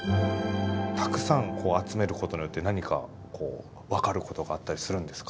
たくさん集めることによって何か分かることがあったりするんですか？